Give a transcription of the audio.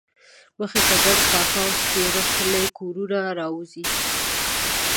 مخې ته ګڼ پاخه او سپېره خولي کورونه راوځي.